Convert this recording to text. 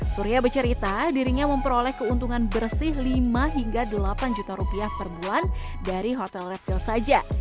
surya bercerita dirinya memperoleh keuntungan bersih lima hingga delapan juta rupiah per bulan dari hotel reptil saja